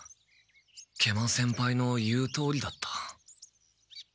食満先輩の言うとおりだった。